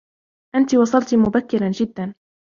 أنتِ وصلتِ مبكراً جداً.